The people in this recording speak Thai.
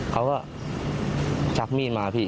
เขาก็ชับมีนมา